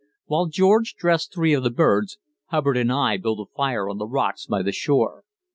While George dressed three of the birds, Hubbard and I built a fire on the rocks by the shore.